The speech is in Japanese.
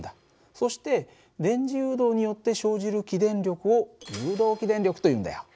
そして電磁誘導によって生じる起電力を誘導起電力というんだよ。